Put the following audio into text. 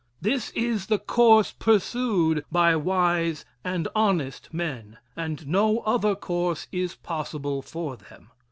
This is the course pursued by wise and honest men, and no other course is possible for them.